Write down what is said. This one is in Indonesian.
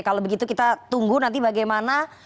kalau begitu kita tunggu nanti bagaimana